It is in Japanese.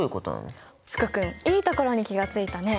福君いいところに気が付いたね。